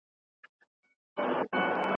نه په نکل کي څه پاته نه بوډا ته څوک زنګیږي